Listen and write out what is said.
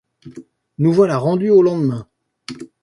Nous voilà rendues au lendemain.